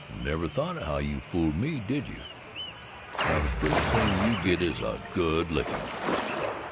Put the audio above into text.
Never thought of how you fooled me, did you? Now, the first thing you get is a good licking."